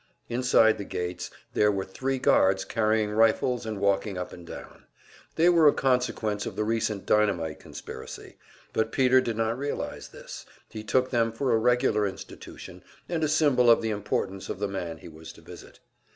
Inside the gates were three guards carrying rifles and walking up and down; they were a consequence of the recent dynamite conspiracy, but Peter did not realize this, he took them for a regular institution, and a symbol of the importance of the man he was to visit.